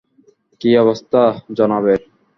কি অবস্থা, জনাবের?